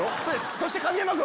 そして神山君！